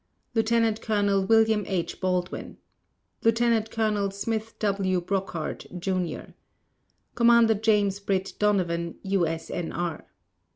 Lieutenant Colonel William H. Baldwin Lieutenant Colonel Smith W. Brockhart, Jr. Commander James Britt Donovan, U.S.N.R.